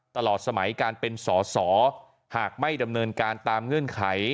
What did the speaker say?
ตลอดสมัยการเป็นสอสอหากไม่ดำเนินการตามเงื่อนไข